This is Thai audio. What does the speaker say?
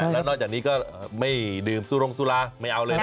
แล้วนอกจากนี้ก็ไม่ดื่มสุรงสุราไม่เอาเลยนะ